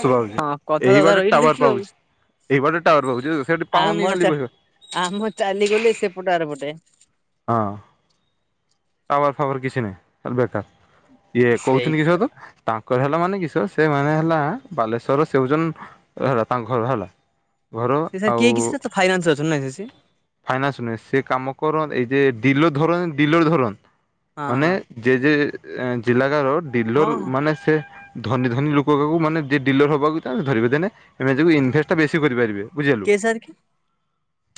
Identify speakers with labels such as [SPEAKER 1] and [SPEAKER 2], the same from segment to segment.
[SPEAKER 1] ଶୁଭାଯାଉଛି
[SPEAKER 2] କଥା
[SPEAKER 1] ଏଇ
[SPEAKER 2] ତଥା
[SPEAKER 1] ବାଟେ
[SPEAKER 2] ରହିଲ
[SPEAKER 1] ଟାୱାର
[SPEAKER 2] ଦେଖିଲ
[SPEAKER 1] ପାଉଛି ଏଇ ବାଟେ ଟାୱାର
[SPEAKER 2] ଆଉ
[SPEAKER 1] ପାଉଛି ସେଠି ପାଉନି ଖାଲି
[SPEAKER 2] ଆମର
[SPEAKER 1] ବହିବା
[SPEAKER 2] ଆମ ଚାଲିଗଲେ ସେପଟେ ଆର ପଟେ।
[SPEAKER 1] ହଁ। ଫୱର କିଛି ନାହିଁ ଖାଲି ବେକାର। ଇଏ
[SPEAKER 2] ସେଇ
[SPEAKER 1] କହୁଛନ୍ତି କି ସତ ତାଙ୍କ ହେ ହେ ମାନେ କିସ ସେ ମାନେ ହେଲା ବାଲେଶ୍ଵରର ସେ ହେଉଛନ୍ ହେଲା ତାଙ୍କ ଘର ହେଲା। ଘର
[SPEAKER 2] ସେ ସାର୍
[SPEAKER 1] ଆଉ
[SPEAKER 2] କିଏ କିଛି ତ ଫାଇନାନ୍ସରେ ଅଛନ୍ତି ନା କିରେ ସିଏ?
[SPEAKER 1] ଫାଇନାନ୍ସ ନୁହେଁ ସେ କାମ କର ଏଇ ଯେ ଦିଲୋ ଧର ଦିଲୋ ଧରନ
[SPEAKER 2] ହଁ
[SPEAKER 1] ମାନେ ଜେଜେ ଏ ଜିଲ୍ଲାକା ରୋଡ
[SPEAKER 2] ହଁ
[SPEAKER 1] ଡିଲ୍ଲର
[SPEAKER 2] ହଁ ହଁ
[SPEAKER 1] ମାନେ ସେ ଧନୀ ଧନୀ ଲୋକ ପକେବୁ ମାନେ ଡେ-ଡିଲର ହବାକୁ ଚାହୁଁ ଧରିବେ ଦେନେ ଏମେ ତାକୁ ଇନଭେଷ୍ଟ ବେଶୀ କରିପାରିବେ।
[SPEAKER 2] କେ ସାର କି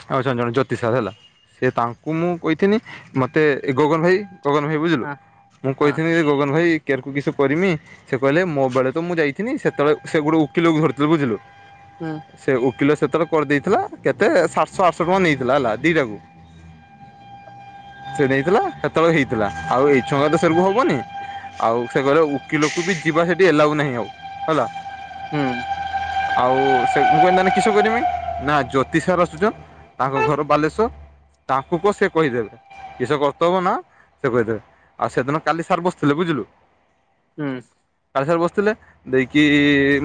[SPEAKER 1] [unintelligible] ଜଣେ ଜଣେ ଜ୍ୟୋତି ସାର ହେଲା ସେ ତାଙ୍କୁ ମୁଁ କହିଥିଲି ମତେ ଗଗନ ଭାଇ ଗଗନ ଭାଇ ବୁଝିଲୁ
[SPEAKER 2] ହଁ
[SPEAKER 1] ମୁଁ
[SPEAKER 2] ହଁ
[SPEAKER 1] କହିଥିଲି ଯେ ଗଗନ ଭାଇ କେୟାରକୁ କିଛି କରିମି ସେ କହିଲେ ମୋ ବେଳେ ତ ମୁଁ ଯାଇଥିନି ସେତେବେଳେ ସେ ଗୋଟେ ଓକିଲକୁ ଧରିଥିଲେ ବୁଝିଲୁ।
[SPEAKER 2] ହୁଁ
[SPEAKER 1] ସେ ଓକିଲ ସେତେବେଳେ କରିଦେଇଥିଲା କେତେ ସାତଶହ ଆଠ ଶହ [unintelligible] ଟଙ୍କା ନେଇଥିଲା ହେଲା ଦିଟାକୁ ସେ ନେଇଥିଲା ସେତେବେଳେ ହେଇଥିଲା ଆଉ ଏଇ ଟଙ୍କା ତ ସେରକୁ ହବନି ଆଉ ସେ ଘ ଉକିଲକୁ ବି ଯିବା ସେଠି ଏଲାଗୁ ନାହିଁ ଆଉ ହେଲା
[SPEAKER 2] ହୁଁ
[SPEAKER 1] ଆଉ [inaudible] [unintelligible] ତାଙ୍କ ଘର ବାଲେଶ୍ଵର ତାଙ୍କୁ କ ସେ କହିଦେବେ କିସ କର୍ତ୍ତବ ନା ସେ କହିଦେବେ ଆଉ ସେଦିନ କାଲି ସାର୍ ବସିଥିଲେ ବୁଝିଲୁ।
[SPEAKER 2] ହୁଁ!
[SPEAKER 1] ସାର୍ ବସିଥିଲେ ଦେଇକି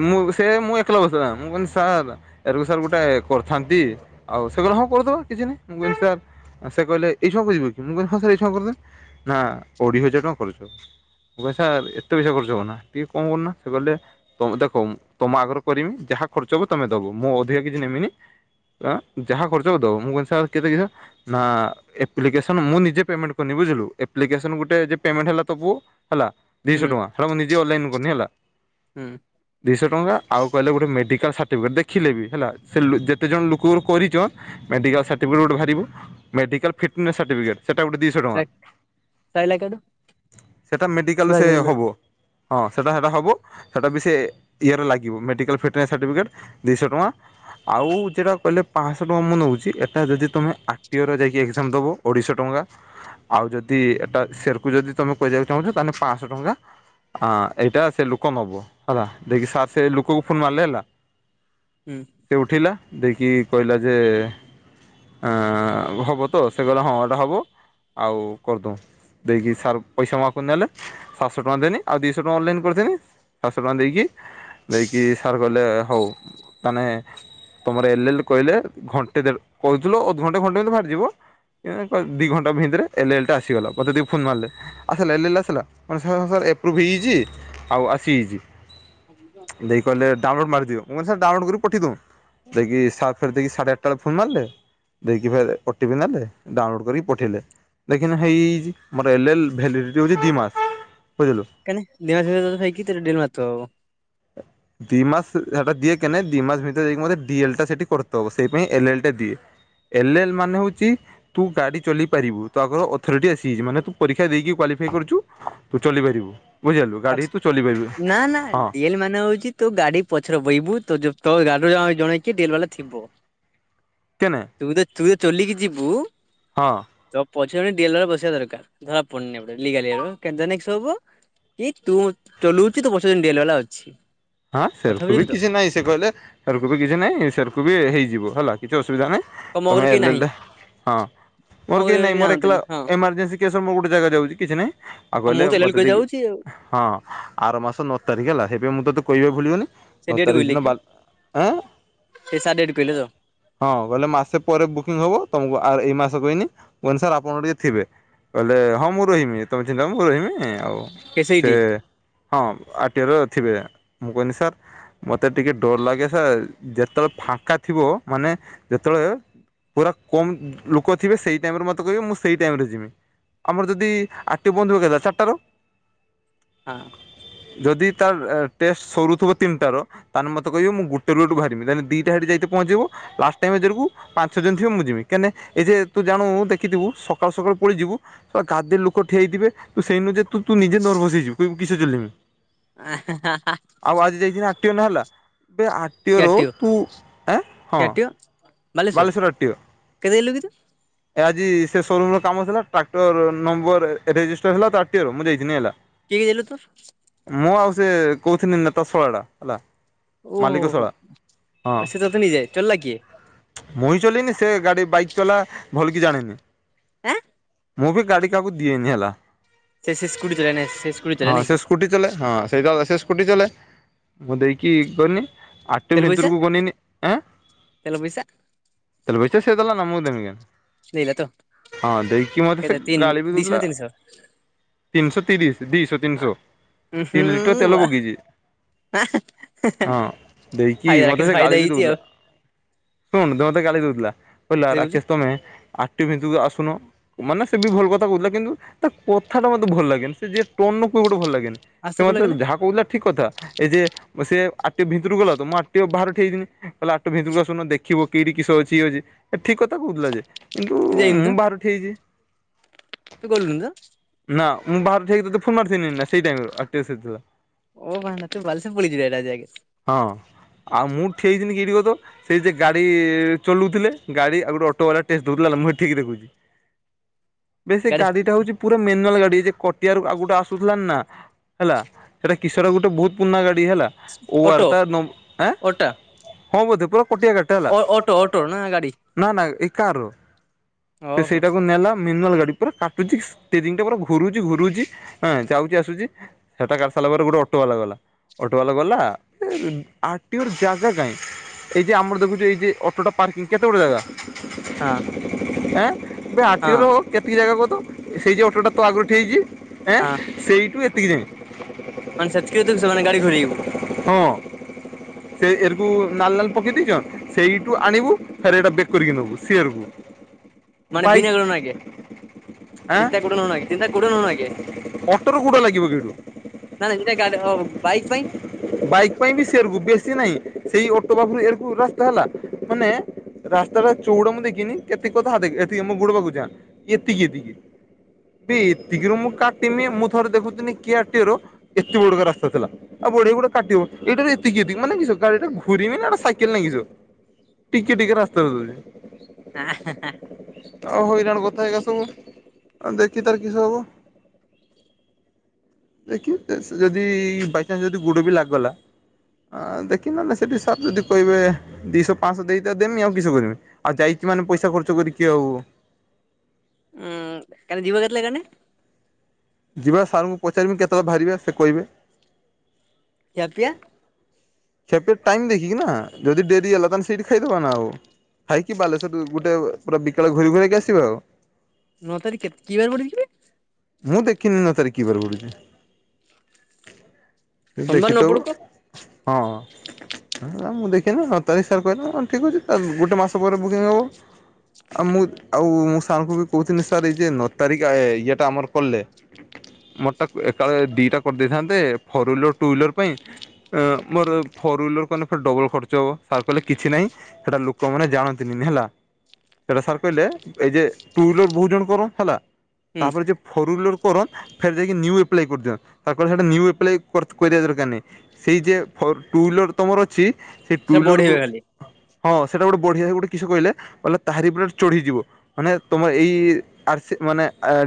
[SPEAKER 1] ମୁଁ ସେ ମୁଁ ଏକଲା ବସିଥିଲା ମୁଁ କହଥିଲି ସାର୍ ଏରକୁ ସାର୍ ଗୋଟେ କରିଥାନ୍ତି ଆଉ ସେ କହିଲେ ହଁ କରିଦେବା କିଛି ନାହିଁ ମୁଁ କହିଲି ସାର୍ ସେ କହିଲେ ଏଇ ସବୁ [unintelligible] ନା ଅଢ଼ଏ ହଜାର ଟଙ୍କା ଖର୍ଚ୍ଚ ହେବ ମୁଁ କହିଲି ସାର୍ ଏତେ ପଇସା ଖର୍ଚ୍ଚ ହେବ ନା ଟିକିେ କଣ କରୁନା ସେ କହିଲେେ ଦେଖ ତୁମ ଆଗରୁ କରିମି ଯାହା ଖର୍ଚ୍ଚ ହେବ ତୁମେ ଦେବ ମୁଁ ଅଧିକା କିଛି ନେମିନି ଯାହା ଖର୍ଚ୍ଚହବ ଦବୁ ମୁଁ କହିଲି ସାର୍ [unintelligible] ମୁଁ ନିଜେ ପେମେଣ୍ଟ କଲି ବୁଝିଲୁ ଆପ୍ଲିକେସନ ଗୋଟେ ଯୋଉ ପେମେଣ୍ଟ୍ ହେଲା ଦବୁ ହେଲା ଦିଶହ
[SPEAKER 2] ହୁଁ
[SPEAKER 1] ଟଙ୍କା ହେଲା ମୁଁ ନିଜେ ଅନଲାଇନ କଲି ହେଲା
[SPEAKER 2] ହୁଁ
[SPEAKER 1] ଦିଇଶହ ଟଙ୍କା ଆଉ କହିଲେ ଗୋଟେ ମେଡିକାଲ ସାର୍ଟିଫିକେଟ ଦେଖିଲେ ବି ହେଲା ଯେତେ ଜଣ ଲୋକ କରିଛ ମେଡ଼ିକାଲ୍ ସାର୍ଟିଫିକେଟ ଗୋଟେ ବାହାରିବୁ ମେଡ଼ିକାଲ୍ ଫିଟନେସ୍ ସାର୍ଟିଫିକେଟ୍ ସେଟା ଗୋଟେ ଦିଇଶହ ଟଙ୍କା
[SPEAKER 2] ସଇଲା କାଠୁ
[SPEAKER 1] ସେଟା ମେଡିକାଲ
[SPEAKER 2] ହୁଁ
[SPEAKER 1] ସେ ହବ ହଁ ସେଇଟା ସେଇଟା ହେବ ସେଇଟା ବି ସେ ଇଏରେ ଲାଗିବ ମେଡ଼ିକାଲ ଫିଟନେସ୍ ସାର୍ଟିଫିକେଟ୍ ଦୁଇଶହ ଟଙ୍କା ଆଉ ଯେଉଁଟା କହିଲେ ପାଞ୍ଚଶହ ଟଙ୍କା ମୁଁ ନେଉଛି ଏଟା ଯଦି ତମେ ଆରଟିର ଯାଇକି ଏକ୍ଜାମ ଦେବ ଅଢେଇଶହ ଟଙ୍କା ଆଉ ଯଦି ଏଟା ସେରକୁ ଯଦି ତମେ କ କହିିବାକୁ ଚାହୁଁଛ ତାହେଲେ ପାଞ୍ଚଶହ ଟଙ୍କା ଏଇଟା ସେ ଲୋକ ନେବ ହେଲା ଯକି ସାର୍ ସେ ଲୋକକୁ ଫୋନ୍ ମାରିଲେ ହେଲା ସେ ଉଠିଲା ଦେଖି କହିଲା ଯେ ହେବ ତ ସେ କହିଲା ହଁ ଏଇଟା ହେବ ଆଉ କରିଦଉ ଦେଇକି ସାର୍ ପଇସା ମକୁ ନେଲେ ସାତଶହ ଟଙ୍କା ଦେନି ଆଉ ଦୁଇଶହ ଟଙ୍କା ଅନଲାଇନ୍ କରିଦେନି ସାତଶହ ଟଙ୍କା ଦେଇକି ଦେଇକି ସାର୍ କହିଲେ ହଉ ତାାନେ ତୁମର ଏଲ୍ ଏଲ୍ କହିଲେ ଘଣ୍ଟେ ଦେଢ଼ କହୁଥିଲୁ ଅଧଘଣ୍ଟେ ଘଣ୍ଟେ ମତି ବାହାରିଯିବ ଦୁଇ ଘଣ୍ଟା ଭିତରେ ଏଲ୍ଏଏଲ୍ଟା ଆସିଗଲା ମୋତେ ଟିକେ ଫୋନ୍ ମାରିଲେ ଆସିଲା ଏଲ୍ଏଲ ଆସିଲା କେ ସାର୍ ଏପ୍ରୁଭ୍ ହେଇଯାଇଛି ଆଉ ଆସିଯାଇଛି ଦେଇକି କହିଲେ ଡାଉନଲୋଡ଼୍ ମାରିଦିବ ମୁଁ କହିଲି ସାର୍ ଡାଉନଲୋଡ଼୍ କରି ପଠାଇଦେଉ ଦେଇକି ସାର୍ ଫ ଦେଇକି ସାଢ଼େ ଆଠଟ ବେଳେ ଫୋନ୍ ମାରିଲେ ଦେଇକି ଫ ଓଟି ପି ନେଲେ ଡାଉନଲୋଡ୍ କରିକି ପଠେଇଲେ ଦେଖିନ ହେଇ ମୋର ଏ ହଉଛି ଦି ମାସ ବୁଝିଲୁ
[SPEAKER 2] [inaudible]
[SPEAKER 1] ଦି ମାସ ସେଟା ଦିଏ କେ ଦି ମାସ ଭିତରେ ଯକିେ ଏଲା ସେଠି କରବ ସେଇ ଏଲଲ ଟା ଦି ଏଲଲ ମାନେ ହଉଛି ତୁ ଗାଡି ଚଲିପାରିବୁ ତ ଆଗର ଅଥରି ଆସିଯାଇଛି ମାନେ ତୁ ପରୀକ୍ଷା ଦେଇକି କ୍ୱାଲିଫ କରୁଛୁ ତୁ ଚକିପରିପାର ବୁଝିପାରିଲୁ ଗାଡି ତୁ ଚଲେଇପରିବୁ।
[SPEAKER 2] ତୁ ଗାଡି ପଛର ବଇବୁ ତ ତୋ ଗାଡି ପଛରେ କିଏ ଜଣେ ଡି ଏଲ୍ ବାଲା ଥିବ।
[SPEAKER 1] କିନେ
[SPEAKER 2] ତୁ ତ ତୁ ତ ଚଲିକି ଯିବୁ
[SPEAKER 1] ହଁ!
[SPEAKER 2] ତୋ ପଛରେ ଡିଏଲ୍ ବସିବା ଦରକାର [inaudible] କି ତୁ ଚଲଉଛିୁ ତୁ ପଛ ଦିନ ଡେଲ ବାଲା ଅଛି
[SPEAKER 1] ହଁ
[SPEAKER 2] କଥା
[SPEAKER 1] ସେରକୁ ବି
[SPEAKER 2] ବୁଝିଲୁ ତ
[SPEAKER 1] କିଛି ନହିଁ ସେ କହିଲେ ସେରକୁ ବି କିଛି ନହିଁ ସେରକୁ ବି ହେଇଯିବ। ହେ କିଛି ଅସୁବିଧାନାହିଁ
[SPEAKER 2] ମୋ ଘରେ କେହି ନାହିଁ।
[SPEAKER 1] ତମେଲେ ହଁ
[SPEAKER 2] ମୋ
[SPEAKER 1] ମୋର କେହି
[SPEAKER 2] ଆଗରେ
[SPEAKER 1] ନାଇଁ ମୋର ଏକଲା
[SPEAKER 2] ଜାଣନ୍ତିନି ହଁ
[SPEAKER 1] ଏମର୍ଜେନ୍ସୀ କେସ ସବୁ ଗୋଟେ ଜାଗା ଯାଉଛି କିଛିାଇଁ ଆଉ କହିଲେ
[SPEAKER 2] ମୁଁ ତ ଏଲ ଏଲ
[SPEAKER 1] ମତେ
[SPEAKER 2] କରି
[SPEAKER 1] ଟିକେ
[SPEAKER 2] ଯାଉଛି ଆଉ
[SPEAKER 1] ହଁ ଆର ମାସ ନଅ ତାରିଖ ହେଲା ସେପାଇ ମୁଁ ତତେ [unintelligible] କନିି
[SPEAKER 2] ସେ ଡେଟ୍ କହିଲେ କି ସେ ସାର୍ ଡେଟ୍ କହିଲେ ତ
[SPEAKER 1] ସାର୍ ଆପଣଙ୍କ ଟିକେଥିବେ କହିଲେ ହଁ ମୁଁ ରହମି ତମେ ଚିହ ମୁଁ ରହିବି ଆଉ!
[SPEAKER 2] କେ
[SPEAKER 1] ସେ
[SPEAKER 2] ସେଇଠି
[SPEAKER 1] ହଁ ଆଟି ର ଥିବେ। ମୁଁ କହନି ସାର୍ ମୋତେ ଟିକେ ଡୋର ଲାଗେ ସାର୍ ଯେତେବେଳେ ଫାଙ୍କା ଥିବ ମାନେ ଯେତେବେଳେ ପୁରା କମ୍ ଲୋକ ଥିବେ। ସେଇ ଟାଇମରେ ମୋତେ କହିବେ ମୁଁ ସେଇ ଟାଇମରେ ଯିବି। ଆମର ଯଦି ଆରଟିଓ ବନ୍ଦ କେତବଳେ ଚାରିଟାରେ।
[SPEAKER 2] ହଁ।
[SPEAKER 1] ଯଦି ତା ଟେଷ୍ଟ ସରୁଥିବ ତିନିଟାର ତାହେଲେ ମତେ କହିବେ ମୁଁ ଗୁଟେ ରୁ ଏଠୁ ବାହାରିବି। ତାହେ ଦିଇଟା ହେ ଯାଇ ତେ ପହଞ୍ଚିବୁ। ଲାଷ୍ଟ ଟାଇମ୍ ଏଜରକୁ ପାଞ୍ଚ ଜଣ ଥିବ ମୁଁ ଯିବି। କାହିଁକ ଏ ଯେ ତୁ ଜାଣୁ ଦେଖିଥିବୁ ସକାଳୁ ସକାଳୁ ପଳେଇ ଯିବୁ ଗାଦେ ଲୋକ ଠିଆଇଥିବେ ତ ସେଇନୁ ଯେ ତୁ ତୁ ନିଜେ ନର୍ଭସ୍ ହେଇଯିବୁୁ କିଛି ଚଲମି। ଆଉ ଆଜି ଯାଇଚି ନା ନ ହେଲା। ଏବେ ଆରଟିଓ ର
[SPEAKER 2] କ୍ୟାଟିଓ
[SPEAKER 1] ତୁ ଆଁ ହଁ।
[SPEAKER 2] କ୍ୟାଟିଓ
[SPEAKER 1] ବାଲେଶ୍ୱର ଆରଟିଓ
[SPEAKER 2] କେତେ ଯାଇଲୁ କି ତୁ
[SPEAKER 1] ଆଜି ସେ ସୋରୁମ୍ ର କାମ ଥିଲା ଟ୍ରାକ୍ଟର ନମ୍ବର ରେଜିଷ୍ଟର ହେଲା ତଅର୍ଟିଓ ର ମୁଁ ଯାଇଁଥିଲି ହେଲା।
[SPEAKER 2] କେ କି ଦେଲ ତୁ।
[SPEAKER 1] ମୁଁ ଆଉ ସେ କହୁଥିଲି ନା ତା ଶଳା ଟା ହେଲା।
[SPEAKER 2] ଓହୋ
[SPEAKER 1] ମାଲିକ
[SPEAKER 2] ହୋ
[SPEAKER 1] ଶଳା
[SPEAKER 2] ସେ ତତେ ନିଇଯାଏ ଚାଲିଲା କିଏ?
[SPEAKER 1] ମୁହିଁ ଚଲନି ସେ ଗାଡି ବାଇକ ଚଲା ଭଲ କି ଜାଣିନି।
[SPEAKER 2] ଆଁ?
[SPEAKER 1] ମୁଁ ବି ଗାଡି କାହାକୁ ଦିଏନି ହେଲା।
[SPEAKER 2] ସେ ସେ ସ୍କୁଟି ଚଲାଏ ନା ସେ ସ୍କୁଟି
[SPEAKER 1] ହଁ
[SPEAKER 2] ଚଲାଏ ନାଇଁ
[SPEAKER 1] ସେ ସ୍କୁଟି ଚଲାଏ ହଁ ସେଇଟା ସେ ସ୍କୁଟି ଚଲାଏ। ମୁଁ ଦେଇକି ଗଲିି। ଆର୍ତିଓ
[SPEAKER 2] ତେଲ ପଇସା
[SPEAKER 1] ଭିତର କୁୁ ଗନିନି ଆଁ।
[SPEAKER 2] ତେଲ ପଇସା
[SPEAKER 1] ତେଲ ପଇସା ସିଏ ଦେଲାନା ମୁଁ ଦେମିକାଇଁ।
[SPEAKER 2] ଦେଇଲା ତ
[SPEAKER 1] ହଁ ଦେଇକି ମତେ ସେ
[SPEAKER 2] କେତେ ତିନ
[SPEAKER 1] ଗାଳି ବି
[SPEAKER 2] ଦିଶହ ନା
[SPEAKER 1] ଦଉଥିଲା।
[SPEAKER 2] ତିନିଶହ
[SPEAKER 1] ତିନିଶହ ତିରିଶି ଦିଶହ ତିନିଶହ
[SPEAKER 2] ଉଁ ହୁଁ
[SPEAKER 1] ତିନି ଲିଟର ତେଲ
[SPEAKER 2] ବା
[SPEAKER 1] ପକେଇଛି ହଁ ଦେଇକି
[SPEAKER 2] ଫାଇଦା
[SPEAKER 1] ମତେ
[SPEAKER 2] ରାକେଶ
[SPEAKER 1] ସେ
[SPEAKER 2] ଫାଇଦା
[SPEAKER 1] ଗାଳି ବି
[SPEAKER 2] ହେଇଛି
[SPEAKER 1] ଦଉଥିଲା।
[SPEAKER 2] ଆଉ
[SPEAKER 1] ଶୁଣ ତମ ତେ ଗାଳି ଦଉଥିଲା। ପହିଲା
[SPEAKER 2] ସେ କହୁଛି
[SPEAKER 1] ରାକେଶ ତମେ ଆଟି ଭି ଆସୁନ ମାନେ ସେ ବି ଭଲ କଥା କହୁଥିଲା। କିନ୍ତୁ ତା କଥା ଟା ମୋତେ ଭଲ ଲାଗେନି ସେ ଯିଏ ଟୋନ କୁହେ ମୋତେ ଭଲ ଲାଗେନି। ସେ
[SPEAKER 2] ଆଶା କୁ
[SPEAKER 1] ମତେ
[SPEAKER 2] ଲାଗେନା
[SPEAKER 1] ଯାହା କହୁଥିଲା ଠିକ୍ କଥା। ଏଇ ଯେ ସେ ଟ ଭିତରୁକୁ ଗଲା ତ ମୁଁ ଆକଟିବା ବାହାରେ ଇନି କହିଲା ଆକଟିବା ଭିତରକୁ ଆସୁନ। ଖଖିବ କିଠ କିସ ଅଛି ଇଏ ଅଛି ଠିକ କଥା କହୁଥିଲା ଯେ। କିନ୍ତୁ
[SPEAKER 2] ତୁ ଯାଇନୁ
[SPEAKER 1] ମୁଁ
[SPEAKER 2] ତ
[SPEAKER 1] ବାହାର ଠିଆ ହେଇଛି।
[SPEAKER 2] ତୁ ଗଲୁନୁ ଯା।
[SPEAKER 1] ବାହାର ଠିଆ ହେଇକି ତତେ ଫୋନ୍ ମାଥନି ନି ନା ସେଇ ଟାଇମ ଆକ୍ଟିବା ଥିଲା। ହଁ ଆଉ ମୁଁ ଠେଇ ଦିନି କିଠ କ ତ। ସେଇ ଯେ ଗାଡି ଚଲୁଥିଲେ ଗାଡି ଆଉ ଗୋଟେ ଅଟୋ ବାଲା [unintelligible] ଦୁିଲ ମୁଁ ଠିକ ଦେଖୁଛି। ବେଶ ସେ ଗାଡିଟା ହଉଛି ପୁର ମେୁନାଲ୍ ଗାଡି। ତେ ଯେ ପଟିଆରୁ ଆ ଆସୁନଥିଲା ନା ହେଲା ସେଟା କିଶୋର ଗୋଟେ ବହୁତ ପୁରଣା ଗାଡି ହେଲା। [unintelligible] ଓାର ତା ନ ହଁ ବୋଧେ। ପୁରା କଟିଆ ଗାଡିଟା ହେଲା
[SPEAKER 2] ଅ ଅଟୋ ଅଟୋ ନା ଗାଡି।
[SPEAKER 1] ନା ନା ଏଇ କାର ସେ
[SPEAKER 2] ଓହୋ ହଁ
[SPEAKER 1] ସେଇଟାକୁ ନେଲା ମିନଲ ଗାଡି। ପୁରା କାଟୁଛି ଷ୍ଟେରିଙ୍ଖ ଟା ପୁରା ଘୁରୁଛି ଘୁରୁଛି ହଁ ଯାଉଛି ଆସୁଛି ସେଟା କାଟି ସାରିଲା ପରେ ଗୋଟେ ଅଟୋ ବାଲା ଗଲା। ଅଟୋ ବାଲା ଗଲା [unintelligible] ଆ ଆଟିର ଜ୍ଗା କାହିଁ ଏଇ ଯେ ଆମର ଦେଖୁଛୁ ଏଇ ଯେ ଅଟୋଟା ପାର୍କିଂ କେତେ ଗୋଟଏ ଜାଗା
[SPEAKER 2] ହଁ
[SPEAKER 1] ଏଁ ଏ ଆର୍ଟିଓର କେତିକି ଜାଗା କହ ତ ସେଇ ଯୋଉ ଅଟୋଟା ତୋ ଆଗରୁ ଠିଆ ହେଇଛି। ଏଁ
[SPEAKER 2] ହଁ
[SPEAKER 1] ସେଇଠୁ ଏତିକି ଯାଏଁ।
[SPEAKER 2] ମାନେ ସେତକି ତୁ ସେମାନେ ଗାଡି ଘୋରେଇଇବୁ।
[SPEAKER 1] ହଁ ସେ ଏରଗୁ ନାଲ ନାଲ ପକେଇ ଦେଇଛ ସେଇଠୁ ଆଣିବୁ ଫେର ଏଇଟା ବେକ୍ କରିକି ନେବୁ ସିଏରଗୁ।
[SPEAKER 2] ମାନେ ବନା ଗନଗେ
[SPEAKER 1] ଆଁ
[SPEAKER 2] ଚିନ୍ତା କ ଚିନ୍ତା କଡନଗେ
[SPEAKER 1] ଅଟୋର ଗୋଡ଼ ଲାଗିବ କି ଏଠୁ
[SPEAKER 2] ନାନ୍ ଗାଡି ବାଇକ ପାଇଁ।
[SPEAKER 1] ବାଇକ୍ ପାଇଁ ବି ସେରକୁ ବେଶୀ ନାହିଁ ସେଇ ଅଟୋ ପାଖରୁ ଏରକୁ ରାସ୍ତା ହେଲା ମାନେ ରାସ୍ତା ଟା ଚଉଡା ମୁଁ ଦେଖିନି କେତିକ କଥାତିକି ମ ଗୋଡ ପାଖକୁ ଚାହାଁ ଏତିକି ଏତିକି ଏତିକିରୁ ମୁଁ କାଟିମି ମୁଁ ଥରେ ଦେଖୁିନି କିଆର ଏତେ ବଡକା ରାସ୍ତା ଥିଲା ଆଉ ବଢ ଗୁଡେ। କାଟିବ ଏଇଟ ଏତିକି ଏତିକି ମାନେ ଗାଡି ଟା ଘୁରିବିନା ଏଇଟା ସାଇକେଲ ନେଇକି ଯିବ ଟିକେ ଟିକେ ରାସ୍ତ ଦଉଛି। ଆଉ ହଇରାଣ ସବୁ ଆ ଦେଖି ତାର କିଛି ହବ ଦେଖି ଯଦି ବାଇଚାନ୍ସ ଯଦି ଗୋଡ ବି ଲାଗ ଗଲା ଦେଖି ନହେଲେ ସେଇଠି ସାର୍ ଯଦି କହିବେ ଦିଶହ ପାଶହ ଦେଇ ତ ଦେମି ଆଉ କିଶ କରମି। ଆଉ ଯାଇଛି ମାନେ ପଇସା ଖର୍ଚ। ଖର୍ଚ୍ଚ କରିକି ଆଉ
[SPEAKER 2] ଉୁଁ କାଲି ଯିବ କେତବେଲେ କାନେ
[SPEAKER 1] ଯିବା ସାରଙ୍କୁ ପଚାରିବି କେତେବେଳେ ବାହାରିବେ ସେ କହିବେ।
[SPEAKER 2] ଖିଆପିଆ?
[SPEAKER 1] ଖିଆପିଆ ଟାଇମ୍ ଦେଖିକି ନା ଯଦି ଡେରି ହେଲା ତାହେନେ ସେଇଠି ଖାଇଦବା ନା ଆଉ। ଖାଇକି ବାଲେଶ୍ଵର ଗୁଟେ ପୁରା ବିକାଳ ଘୁରି ଘୁରାକି ଆସିବା ଆଉ।
[SPEAKER 2] ନଅ ତାରିଖ କେତ କି ବାରେ ପଡୁଚି କିବେ?
[SPEAKER 1] ମୁଁ ଦେଖିନି ନଅ ତାରିଖ କି ବାରେ ପଡୁଛି। ତୁ
[SPEAKER 2] ସୋମବାର ନ
[SPEAKER 1] ଦେଖିଥୋବୁ।
[SPEAKER 2] ପଡୁ କ
[SPEAKER 1] ହଁ ନାଁ ମୁଁ ଦେଖିନି ନ ତାରିଖ ସାର୍ କହିଲେ ହଁ ମୁକହିଲି ଠିକ୍ ଅଛି ତାଲେ ଗୋଟେ ମାସ ପରେ ବୁକିଙ୍ଗ ହବ। ଆଉ ମୁଁ ତ୍ ଆଉ ମୁଶ୍ ତାଙ୍କୁ କୋହୁଥିନି ସାର୍ ଇ ଯେ ନଅ ତାରିଖ ଆଏ ଇଏଟା ଆମର କଲେ ମତ୍ ତାକ୍ ଏକାଳେ ଦିଇଟା କରିଦେଇଥାନ୍ତି। ଫୋର୍ୱିଲେର ଟୁ ହିଲର ପାଇଁ ମୋର ଫୋର୍ ହୱିଲର୍ ଡବଲ ଖର୍ଚ୍ଚ ହବ ସାର୍ କହିଲେ କିଛି ନାହିଁ ସେଟା ଲୋକମାନେ ଜାଣନ୍ତିନି ହେଲା। ସେଟା ସାର୍ କହିଲେ ଏଇ ଯେ ଟୁଲୋର୍ ବୋହୁତ ଜଣ କର ହେଲା।
[SPEAKER 2] ହୁଁ
[SPEAKER 1] ତାପରେ ଯ ଫୋରଉଇଲର୍ କର ଫେର୍ ଯାଇକି ନୀୟୁ ଆପ୍ଲାଏ କରିଦିଅନ୍ତି। ତା [unintelligible] ସେଟା ନ୍ୟୁ ଆପ୍ଲାଏ କରିଦବା ଦରକାର ନାହିଁ ସେଇ ଯେ ଟୁ ହଲର୍ ତୁମର ଅଛି ସେଇ ଟୁ
[SPEAKER 2] ସେଟା
[SPEAKER 1] ହଲର
[SPEAKER 2] ବଢେଇବେ ଖାଲି
[SPEAKER 1] ହଁ ସେଇଟା ଗୋଟେ ବଢ଼ିଆ ଗୋଟେ କିସ କହିଲେ। ବଲେ ତାହାରି ପୁର ଚଢିଯିବ। ମାନେ ତୁମର ଏଇ ଆ ସେ ମାନେ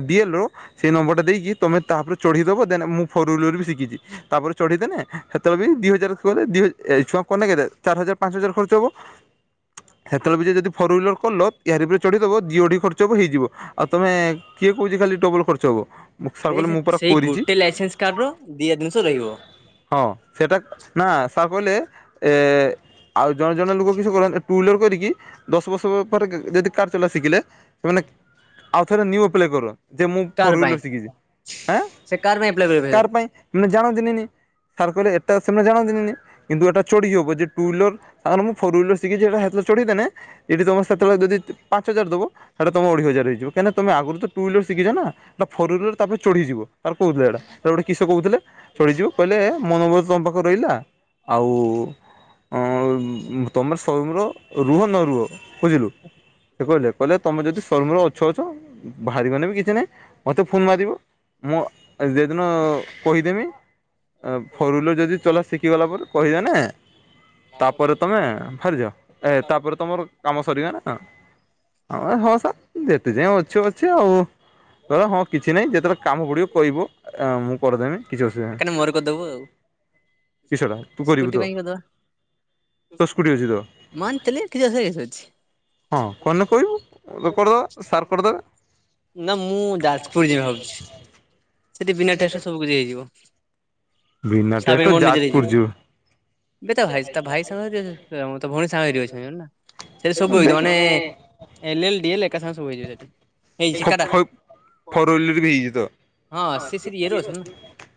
[SPEAKER 1] ଡିଏଲ ର ସେଇ ନମ୍ବର ଟା ଦେଇକି ତମେ ତାପରେ ଚଢେଇଦବ ଦେନ୍ ମୁଁ ଫୋର୍ୱିଲର ବି ଶିକିଛି ତାପରେ ଚଢିଦେଲେ ସେତେବେଳେ ବି ଦି ହଜାର ଦି ଛୁଆ କକ ଚାରି ହଜାର ପାଞ୍ଚ ହଜାର ଖର୍ଚ୍ଚ ହବ ସେତେବେଳେ ବି ଯଦି ଫୋର ହଲର କଲ ଏିରେ ଚଢିଦବ ଦିଢି ଖର୍ଚ ହବ ହେଇଯିବ ଆଉ ତମେ କିଏ କହୁଛି ଖାଲି ଖର୍ଚ୍ଚ ହବ
[SPEAKER 2] ସେଇ ଗୋଟେ ଲାଇସେନ୍ସ କାର୍ଡ ର ଦି ଜିନିଷ ରହିବ।
[SPEAKER 1] ହଁ ସେଇଟା ନା ସାର୍ କହିଲେ ଏ ଆଉ ଜଣେ ଜଣେ ଲୋକ କିଛି କ ଟୁ ହଲର କରିକି ଦଶ ବର୍ଷ ପରେ ଯଦି କାର୍ ଚଲା ଶିଖିଲେ ସେମାନେ ଆଉ ଥରେ ନିପ୍ କର ଯେ ମୁଁ
[SPEAKER 2] କାର ପାଇଁ
[SPEAKER 1] ଶିଖିଛି
[SPEAKER 2] ସେ କାର ପାଇଁ ଆପ୍ଲାଏ କରିବେ
[SPEAKER 1] କ ପାଇଁ
[SPEAKER 2] କାହିଁକି
[SPEAKER 1] ମାନେ ଜାଣନ୍ତି ସାର୍ କହିଲେ ଏଟା ସେମାନେ ଜଣନ୍ତିିନନି କିନ୍ତୁ ଏଟାଢି ହବ ଯେ ଟୁ ହଲର ତା ମୁଁ ଫୋର ହଲର ଶିଖି ସେଟା ସେ ଚଢିଦେ ଏଠି ତମେ ସେତେବେଳେ ଯଦି ପାଞ୍ଚ ହଜାର ଦବ ତାହେଲେ ତମ ଅଢି ହଜାରଇିବ କାହିଁକି ତମ ଆଗରୁ ତ ଟୁ ହର ଶିଖିଛ ନା ଟା ଫ ତାପରେ ଚଢିଯିବ ତାର କହୁଥିଲେ ଏଇଟା ଗୋଟେ କିଷ କହୁଥିଲେ ଚଢିଯିବ କହିଲେ ମନୋଭଜ ତମ ପାଖରେ ରହିଲା ଆଉ ଅ ତମର ସଵୟର ରୁହ ନ ରୁହ ବୁଝିଲୁ ସେ କହିଲେ କହିଲେ ତମେ ଯଦି ସ୍ୱରମର ଅଛ ଅଛ ବାହାରିିବନେ ବି କିଛି ନାହିଁ। ଫୋନ୍ ମାରିବ ମୁଁଦିନ କହିଦେମି ଫୋର୍ ହ୍ଲର ଯଦି ଚଲା ଶିଖିଗଲା ପରେ କହିବ ନା ତାପରେ ତମେ ବାହାରିଯ ଏ ତାପରେ ତମର କାମ ସରିଗ ନା ଆଉ ହସା ଦେ ତୁ ଯାଇ ଅଛୁ ଅଛେ ଆଉ କ ହଁ କିଛି ନାହିଁ ଯେତେବେଳେ କାମ ପଡ଼ିବ କହିବ ଆ ମୁଁ କରିଦେବି
[SPEAKER 2] ଆ କାନେ ମର କ ଦବୁ ଆଉ
[SPEAKER 1] କିଛଟା ତୁ କରିବୁ ତ ତୋ ସ୍କୁଟି ଅଛି ତ
[SPEAKER 2] ମନ ତଥିଲେ କିଛି ସେ କି ସଛି
[SPEAKER 1] ହଁ କହ କହିବୁ ରୋୋକଡ଼ଦ ସାର୍କଡ଼ଦ
[SPEAKER 2] ନା ମୁଁ ଯାଜପୁର ଯିବ ଭାବୁଛି େ ବିନା ଟେଷ୍ଟ ସବୁଛି ହେଇଯିବ ହ
[SPEAKER 1] ବିନା
[SPEAKER 2] ସାବର
[SPEAKER 1] ଟେଷ୍ଟରେ
[SPEAKER 2] ମନ ନିଜେ
[SPEAKER 1] ଯାଜପୁର
[SPEAKER 2] ଯିବ
[SPEAKER 1] ଯିବୁ
[SPEAKER 2] ବେତା ଭାଇ ତା ଭାଇ ସ ତ ଭଉଣୀ ସାଙ୍ଗ ଏଇଠି ଅଛନ୍ତି ନା। ସେ ସବୁ ହେଇଥ ମାନେ
[SPEAKER 1] ଦେଖ
[SPEAKER 2] ଏଲ୍ ଏଲ ଡିଏଲେ ଏକା ସାଙ୍ଗରେ ସବୁ ହେଇଯିବ ସେଠି
[SPEAKER 1] ଫ ଫ
[SPEAKER 2] [unintelligible]
[SPEAKER 1] ହଁ ସେ
[SPEAKER 2] ଇଏରେ ଅଛନ୍ତି ନା।
[SPEAKER 1] [unintelligible]